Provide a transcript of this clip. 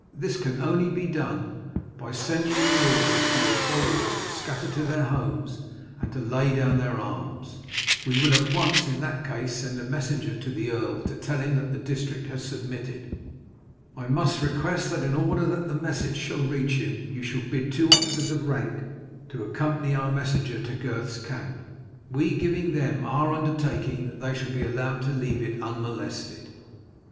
This can only be done by your sending orders to your followers to scatter to their homes and to lay down their arms. We will at once in that case send a messenger to the earl to tell him that the district has submitted. I must request that in order the message shall reach him you shall bid two officers of rank accompany our messenger to Gurth's camp; we giving them our undertaking that they shall be allowed to leave it unmolested."